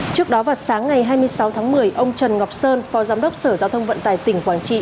trước đó vào sáng ngày hai mươi sáu tháng một mươi ông trần ngọc sơn phó giám đốc sở giao thông vận tải tỉnh quảng trị